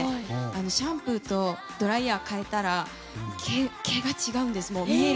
シャンプーとドライヤー変えたら毛が違うんです。